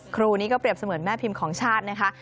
ครูนี้ก็เรียบเสมือนแม่พิมพ์ของชาตินะคะ